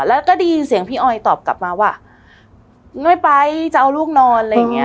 แล้วก็ได้ยินเสียงพี่ออยตอบกลับมาว่าไม่ไปจะเอาลูกนอน